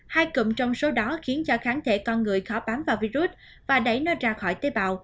hai cụm trong số đó khiến cho kháng trị